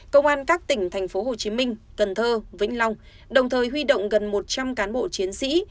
công an các tỉnh thành phố hồ chí minh cần thơ vĩnh long đồng thời huy động gần một trăm linh cán bộ chiến sĩ